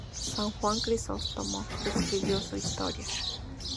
San Juan Crisóstomo escribió su historia.